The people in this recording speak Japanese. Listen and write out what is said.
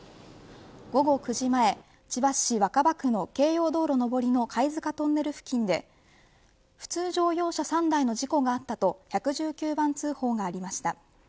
午後９時前、千葉市若葉区の京葉道路上りの貝塚トンネル付近で普通乗用車３台の事故があったと１１９番通報がありました。